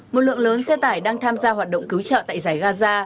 một lượng lớn xe tải đang tham gia hoạt động cứu trợ tại giải gaza